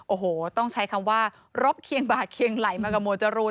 โอ้โหต้องใช้คำว่ารบเคียงบ่าเคียงไหลมากับหมวดจรูน